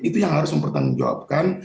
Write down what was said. itu yang harus mempertanggungjawabkan